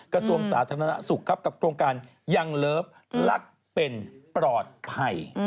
กระทรวงสาธารณสุขครับกับโครงการยังเลิฟลักเป็นปลอดภัย